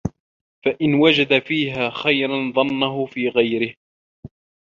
فَإِنْ وَجَدَ فِيهَا خَيْرًا ظَنَّهُ فِي غَيْرِهِ